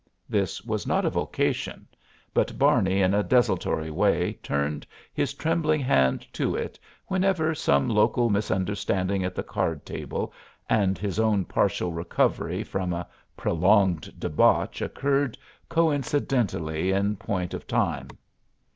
This was not a vocation, but Barney in a desultory way turned his trembling hand to it whenever some local misunderstanding at the card table and his own partial recovery from a prolonged debauch occurred coincidently in point of time.